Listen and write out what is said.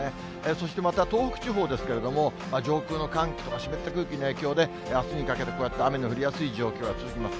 そしてまた東北地方ですけれども、上空の寒気と湿った空気の影響で、あすにかけて、こうやって雨の降りやすい状況が続きます。